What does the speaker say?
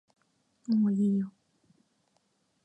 もういいよ